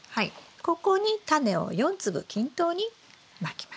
ここにタネを４粒均等にまきます。